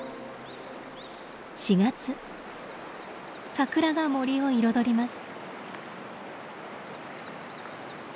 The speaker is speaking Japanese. サクラが森を彩ります。